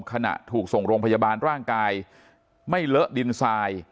ขณะถูกส่งโรงพยาบาลร่างกายไม่เลอะดินทราย